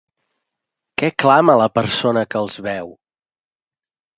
Què clama la persona que els veu?